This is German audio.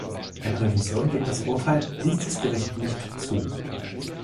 Eine Revision gegen das Urteil ließ das Gericht nicht zu.